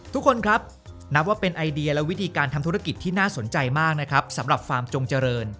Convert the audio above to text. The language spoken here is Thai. ทุกคนครับนับว่าเป็นไอเดียและวิธีการทำธุรกิจที่น่าสนใจมากนะครับสำหรับฟาร์มจงเจริญ